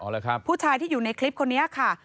แล้วครับผู้ชายที่อยู่ในคลิปคนนี้ค่ะ